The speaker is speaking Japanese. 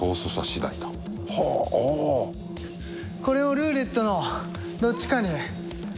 これをルーレットのどっちかに。